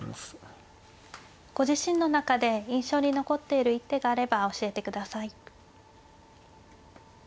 ご自身の中で印象に残っている一手があれば教えてください。